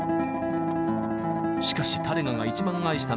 しかしタレガが一番愛したのはギター。